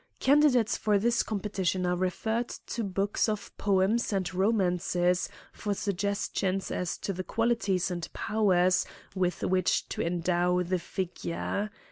Candidates for this competition are referred to books of poems and romances for suggestions as to the qualities and powers with which to endow the "figure.